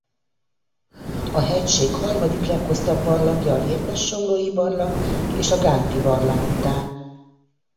A hegység harmadik leghosszabb barlangja a Vértessomlói-barlang és a Gánti-barlang után.